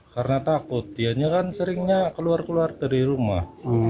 karena takut dianya kan seringnya keluar keluar dari rumah